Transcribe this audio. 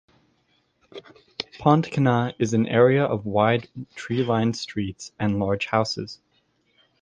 Pontcanna is an area of wide tree-lined streets and large houses.